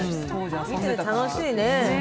見てて楽しいね。